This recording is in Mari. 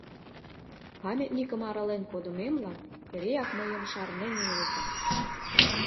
Памятникым арален кодымемлан эреак мыйым шарнен илыза!